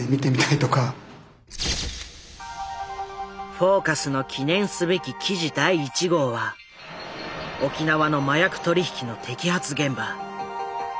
「フォーカス」の記念すべき記事第１号は沖縄の麻薬取り引きの摘発現場。